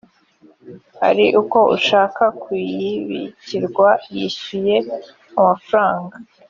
ari uko ushaka kuyibikirwa yishyuye amafaranga